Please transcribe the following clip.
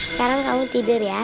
sekarang kamu tidur ya